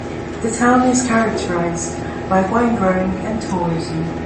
The town is characterized by winegrowing and tourism.